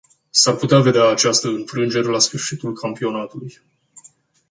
S-ar putea vedea această înfrângere la sfârșitul campionatului.